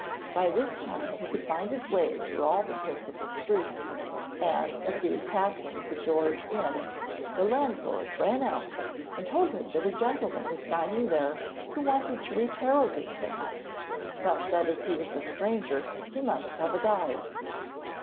By this time he could find his way through all the principal streets, and as he was passing the George Inn, the landlord ran out and told him that a gentleman was dining there who wanted to reach Harrogate that night, but that as he was a stranger he must have a guide.